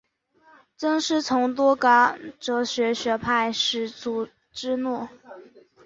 曾师从斯多噶哲学学派始祖芝诺。